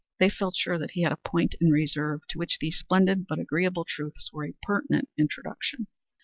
They felt sure that he had a point in reserve to which these splendid and agreeable truths were a pertinent introduction.